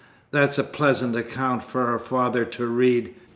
That's a pleasant account for a father to read!